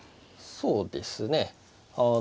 そうですね。